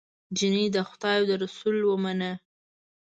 جینۍ د خدای او د رسول ومنه